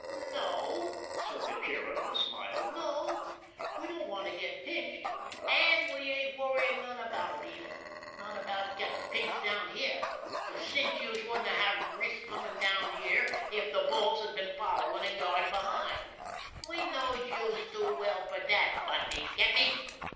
"No," said the Cherub, and smiled. "No, we don't want to get pinched—an' we ain't worryin' none about it either, not about gettin' pinched down here. It's a cinch youse wouldn't have risked comin' here if de bulls had been followin' a yard behind. We knows youse too well fer dat, Bundy! Get me?